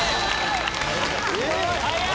早い！